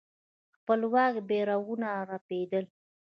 خپلواک بيرغونه رپېدل.